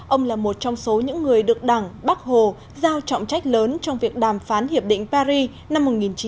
ông là một trong số những người được đảng bắc hồ giao trọng trách lớn trong việc đàm phán hiệp định paris năm một nghìn chín trăm bảy mươi năm